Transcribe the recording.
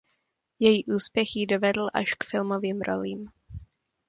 Její úspěch ji dovedl až k filmovým rolím.